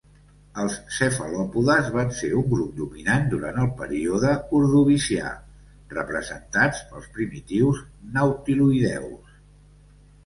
Els cefalòpodes van ser un grup dominant durant el període Ordovicià, representats pels primitius nautiloïdeus.